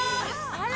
あら！